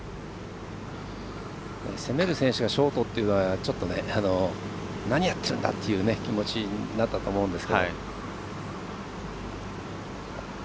攻める選手がショートというのはちょっと何やってるんだっていう気持ちになったと思うんですが。